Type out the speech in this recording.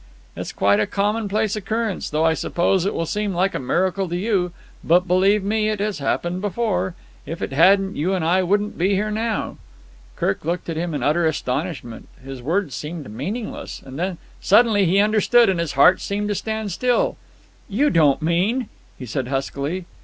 "It's quite a commonplace occurrence, though I suppose it will seem like a miracle to you. But, believe me, it has happened before. If it hadn't, you and I wouldn't be here now." Kirk looked at him in utter astonishment. His words seemed meaningless. And then, suddenly, he understood, and his heart seemed to stand still. "You don't mean——" he said huskily.